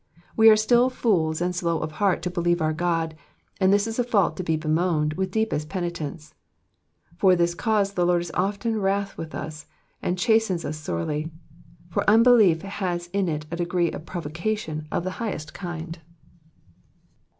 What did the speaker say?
We are still fools and slow of heart to believe our God, and this is a fault to be bemoaned with deepest penitence. For this cause the Lord is often wroth with us and chastens us sorely ; for unbelief has in it a degree of provocation of the highest kind.